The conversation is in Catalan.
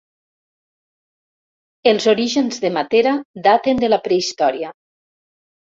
Els orígens de Matera daten de la prehistòria.